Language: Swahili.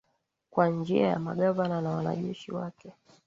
kwa njia ya magavana na wanajeshi wake